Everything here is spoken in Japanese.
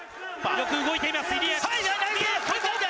よく動いています、入江。